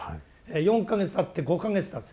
４か月たって５か月たつ。